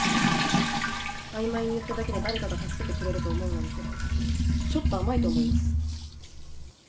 曖昧に言っただけで誰かが助けてくれると思うなんてちょっと甘いと思います。